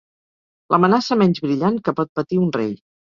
L'amenaça menys brillant que pot patir un rei.